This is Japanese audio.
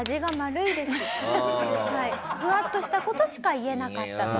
ふわっとした事しか言えなかったと。